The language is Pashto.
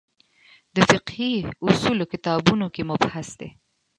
د فقهې اصولو کتابونو کې مبحث دی.